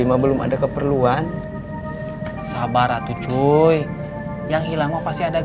terima kasih pak